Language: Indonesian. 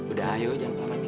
udah ayo jangan kelamaan mikir